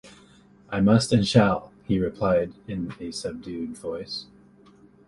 ‘I must and shall!’ he replied in a subdued voice.